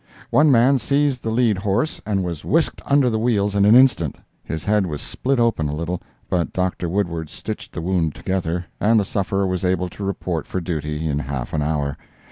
One man seized the lead horse, and was whisked under the wheels in an instant. His head was split open a little, but Dr. Woodward stitched the wound together, and the sufferer was able to report for duty in half an hour.